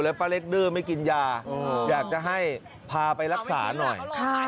ป้าเล็กดื้อไม่กินยาอยากจะให้พาไปรักษาหน่อย